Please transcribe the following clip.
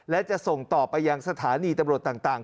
และจะส่งต่อไปยังสถานีตำรวจต่าง